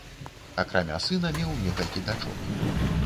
Акрамя сына, меў некалькі дачок.